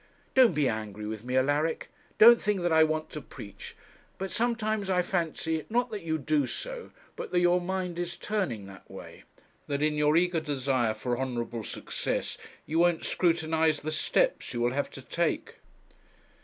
'Don't be angry with me, Alaric; don't think that I want to preach; but sometimes I fancy, not that you do so, but that your mind is turning that way; that in your eager desire for honourable success you won't scrutinize the steps you will have to take.'